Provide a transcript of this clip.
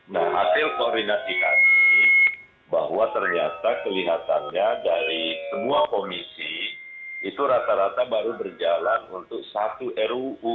nah hasil koordinasi kami bahwa ternyata kelihatannya dari semua komisi itu rata rata baru berjalan untuk satu ruu